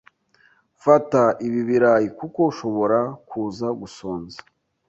Fata ibi birayi kuko ushobora kuza gusonza